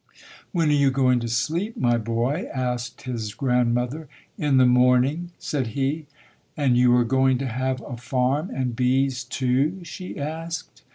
"When are you going to sleep, my boy?" asked his grandmother. "In the morning", said he. "And you are going to have a farm and bees, too?" she asked.